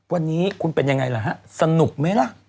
วันนี้คุณเป็นยังไงล่ะฮะสนุกไหมล่ะ